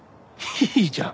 いいじゃん。